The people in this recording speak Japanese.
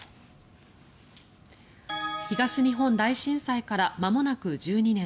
東日本大震災からまもなく１２年。